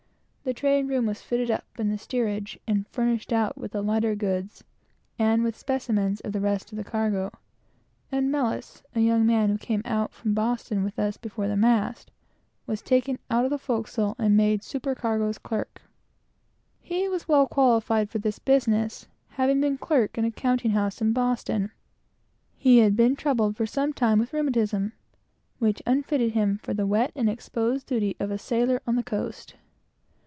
The trade room was fitted up in the steerage, and furnished out with the lighter goods, and with specimens of the rest of the cargo; and M , a young man who came out from Boston with us, before the mast, was taken out of the forecastle, and made supercargo's clerk. He was well qualified for the business, having been clerk in a counting house in Boston. He had been troubled for some time with the rheumatism, which unfitted him for the wet and exposed duty of a sailor on the coast.